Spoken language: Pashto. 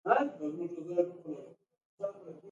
وژنه د عبرت نښه ده